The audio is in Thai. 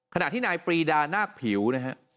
ขณะที่นายปรีดานาคผิวนะฮะ